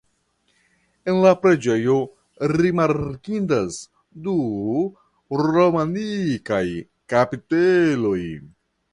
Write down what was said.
En la preĝejo rimarkindas du romanikaj kapiteloj.